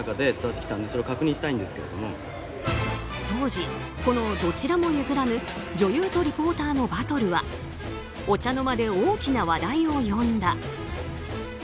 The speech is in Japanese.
当時、このどちらも譲らぬ女優とリポーターのバトルはお茶の間で大きな話題を呼んだ。